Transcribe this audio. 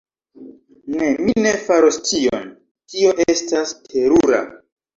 Ne. Mi ne faros tion. Tio estas terura.